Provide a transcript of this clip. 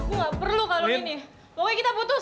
aku nggak perlu kalau ini pokoknya kita putus